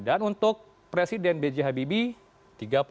dan untuk presiden b j habibie